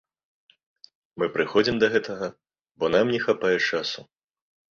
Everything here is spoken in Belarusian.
Мы прыходзім да гэтага, бо нам не хапае часу.